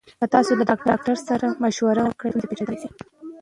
که تاسو له ډاکټر سره مشوره ونکړئ، ستونزه پېښېدای شي.